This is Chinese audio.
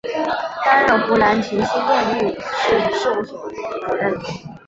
担任湖南秦希燕律师事务所主任。